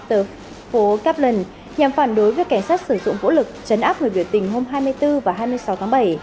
từ phố kaplan nhằm phản đối với cảnh sát sử dụng vũ lực chấn áp người biểu tình hôm hai mươi bốn và hai mươi sáu tháng bảy